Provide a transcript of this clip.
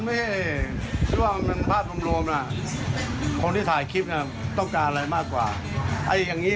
เพราะเรื่องจริงน้องก็ถ่ายไปอย่างนี้